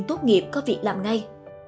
tốt nghiệp có việc làm ngay